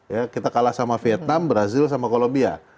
ya kita kalah sama vietnam brazil sama kolombia